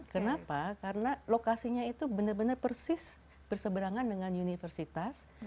kenapa karena lokasinya itu benar benar persis berseberangan dengan universitas